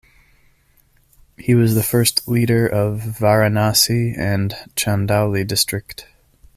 He was the first leader of Varanasi and Chandauli district.